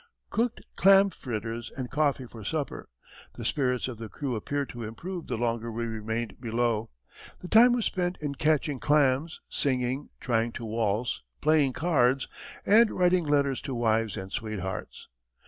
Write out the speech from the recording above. Cooked clam fritters and coffee for supper. The spirits of the crew appeared to improve the longer we remained below; the time was spent in catching clams, singing, trying to waltz, playing cards, and writing letters to wives and sweethearts.